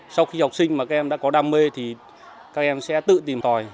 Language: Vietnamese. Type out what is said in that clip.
sau khi học sinh mà các em đã có đam mê thì các em sẽ tự tìm tòi